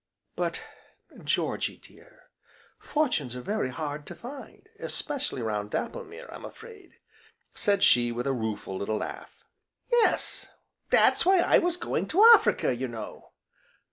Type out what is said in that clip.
"But, Georgy dear, fortunes are very hard to find, especially round Dapplemere, I'm afraid!" said she, with a rueful little laugh. "Yes, that's why I was going to Africa, you know."